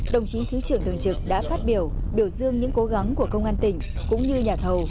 đồng chí thứ trưởng thường trực đã phát biểu biểu dương những cố gắng của công an tỉnh cũng như nhà thầu